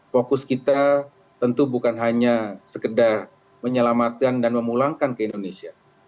fokus kita tentu bukan hanya sekedar menyelamatkan dan memulangkan ke indonesia